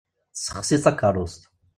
Tessexsi takerrust.